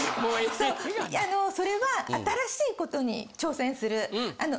そうあのそれは新しいことに挑戦する。